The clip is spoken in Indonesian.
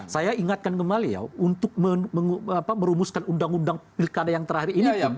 saya ingatkan kembali ya untuk merumuskan undang undang pilkada yang terakhir ini